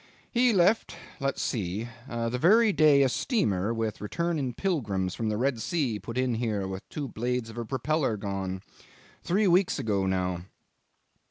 "He left let's see the very day a steamer with returning pilgrims from the Red Sea put in here with two blades of her propeller gone. Three weeks ago now."